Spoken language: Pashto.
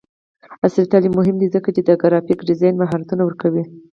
عصري تعلیم مهم دی ځکه چې د ګرافیک ډیزاین مهارتونه ورکوي.